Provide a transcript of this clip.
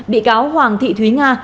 bị cáo hoàng thị thúy nga